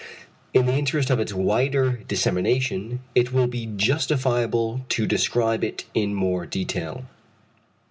In the interest of its wider dissemination, it will be justifiable to describe it more in detail.